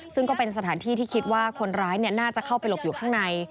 ซึ่งก็เป็นสถานที่ที่คิดว่าคนร้ายน่าจะเข้าไปหลบอยู่ข้างใน